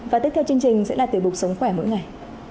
và tiếp theo chương trình sẽ là tuyệt vụ sống khỏe mỗi ngày